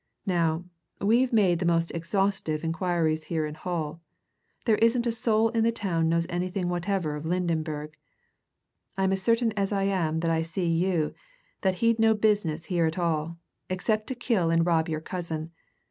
Now, we've made the most exhaustive inquiries here in Hull there isn't a soul in the town knows anything whatever of Lydenberg! I'm as certain as I am that I see you that he'd no business here at all except to kill and rob your cousin.